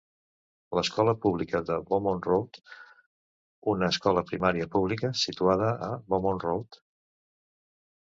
L'Escola Pública de Beaumont Road, una escola primària pública situada a Beaumont Road.